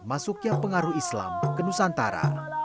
masuknya pengaruh islam ke nusantara